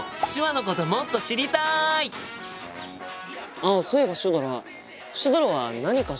あっそういえばシュドラシュドラは何か趣味ってあるの？